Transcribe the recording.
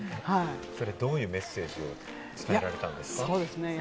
どういうメッセージを伝えられたんですか？